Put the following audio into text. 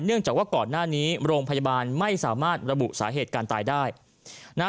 จากว่าก่อนหน้านี้โรงพยาบาลไม่สามารถระบุสาเหตุการตายได้นะฮะ